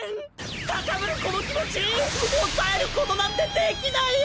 高ぶるこの気持ち抑えることなんてできないよ！